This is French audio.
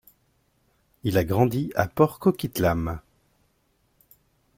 Il grandit à Port Coquitlam.